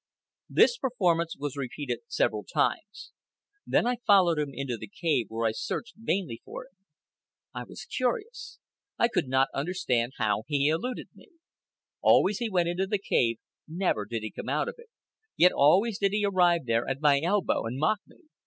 This performance was repeated several times. Then I followed him into the cave, where I searched vainly for him. I was curious. I could not understand how he eluded me. Always he went into the cave, never did he come out of it, yet always did he arrive there at my elbow and mock me.